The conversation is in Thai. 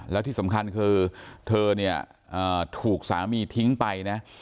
แล้วที่สำคัญคือเธอเนี่ยถูกสามีทิ้งไปนะ